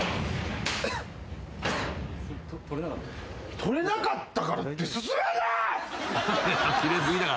取れなかったからって進めるな！